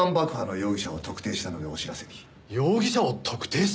容疑者を特定した！？